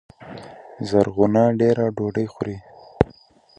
زرغونه دېره ډوډۍ خوري